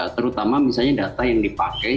terutama misalnya data yang dipakai